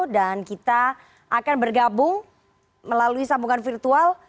dan kita akan bergabung melalui sambungan virtual